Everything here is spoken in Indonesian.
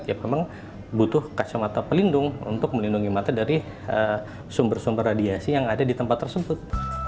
ya memang butuh kacamata pelindung untuk melindungi mata dari sumber sumber radiasi yang ada di tempat tersebut